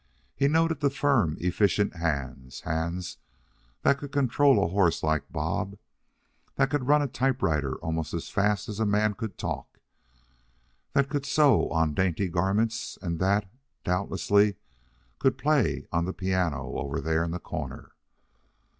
He noted the firm, efficient hands hands that could control a horse like Bob, that could run a typewriter almost as fast as a man could talk, that could sew on dainty garments, and that, doubtlessly, could play on the piano over there in the corner.